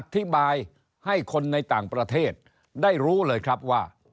อธิบายให้คนในต่างประเทศได้รู้เลยครับว่า